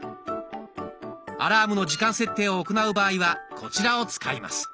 アラームの時間設定を行う場合はこちらを使います。